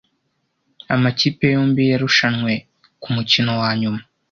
Amakipe yombi yarushanwe kumukino wanyuma.